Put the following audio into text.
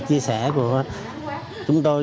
chia sẻ của chúng tôi